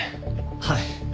はい。